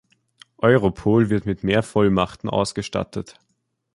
Europol wird mit mehr Vollmachten ausgestattet.